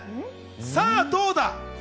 さあどうだ？